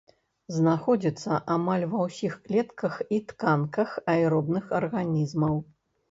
Знаходзіцца амаль ва ўсіх клетках і тканках аэробных арганізмаў.